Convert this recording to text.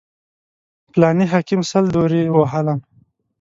فلاني حاکم سل درې ووهلم.